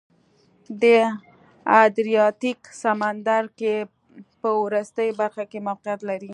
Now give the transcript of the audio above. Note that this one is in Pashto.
د ادریاتیک سمندرګي په وروستۍ برخه کې موقعیت لري.